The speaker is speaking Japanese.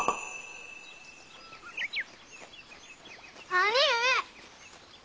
兄上！